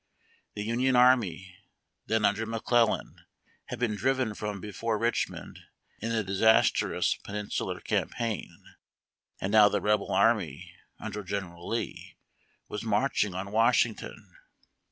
The Union army, then under McClellan, had been driven from before Richmond in the disastrous Peninsular campaign, and now the Rebel army, under General Lee, was marching on Washington.